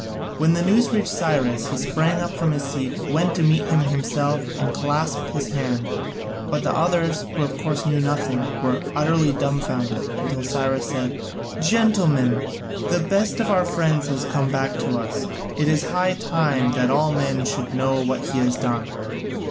When the news reached Cyrus, he sprang up from his seat, went to meet him himself, and clasped his hand, but the others, who of course knew nothing, were utterly dumbfounded, until Cyrus said: "Gentlemen, the best of our friends has come back to us. It is high time that all men should know what he has done.